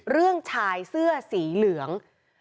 เรื่องชายเสื้อสีเหลือง